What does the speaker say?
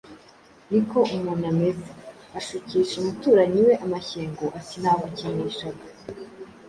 ni ko umuntu ameze ushukisha umuturanyi we amashyengo, ati Nagukinishaga